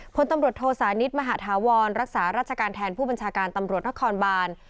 พลตำรวจโทสานิทมหาธาวรรักษาราชการแทนผู้บัญชาการตำรวจนครบาน